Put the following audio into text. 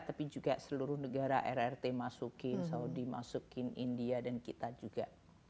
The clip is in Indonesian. tapi juga seluruh negara rrt masukin saudi masukin india dan kita juga